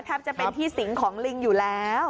แทบจะเป็นที่สิงของลิงอยู่แล้ว